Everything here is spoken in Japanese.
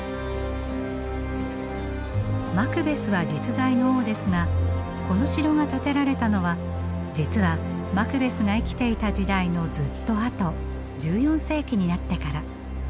マクベスは実在の王ですがこの城が建てられたのは実はマクベスが生きていた時代のずっとあと１４世紀になってから。